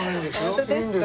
本当ですか？